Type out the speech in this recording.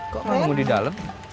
kok kamu di dalam